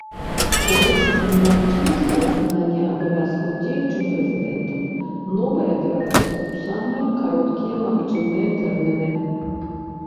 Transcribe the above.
У выпадку немагчымасці выканання абавязкаў дзеючым прэзідэнтам новы абіраецца ў самыя кароткія магчымыя тэрміны.